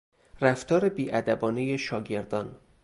رفتار بیادبانهی شاگردان